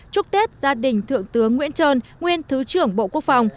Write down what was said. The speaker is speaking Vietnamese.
chúc tết gia đình thượng tướng nguyễn trơn nguyên thứ trưởng bộ quốc phòng